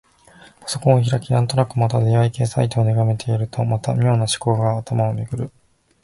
パソコンを開き、なんとなくまた出会い系サイトを眺めているとまた、妙な思考が頭をめぐる。